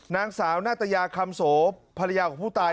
นางสาวนาตยาคำโสภรรยาของผู้ตาย